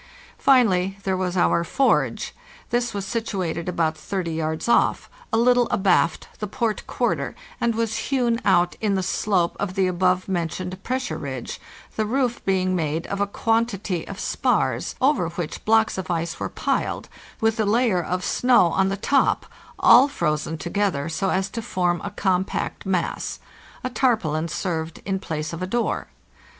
Finally, there was our forge. This was situated about 30 yards off, a little abaft the port quarter, and was hewn out in the slope of the above mentioned pressure ridge, the roof being made of a quantity of spars over which blocks of ice were piled, with a layer of snow on the top, all frozen together so as to form a compact mass. <A tarpaulin served in place of a door.